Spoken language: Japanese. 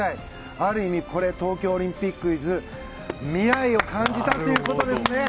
ある意味東京オリンピックｉｓ未来を感じたということですね。